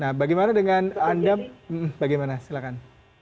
nah bagaimana dengan anda bagaimana silakan